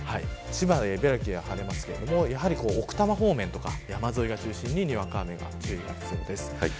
千葉や茨城は晴れますが奥多摩方面とか山沿いを中心ににわか雨に注意が必要です。